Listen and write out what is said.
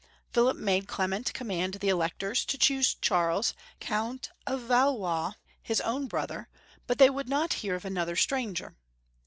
Philip made Clement command the Electors to choose Charles, Coimt of Valois, his own brother, but they would not hear of another stranger.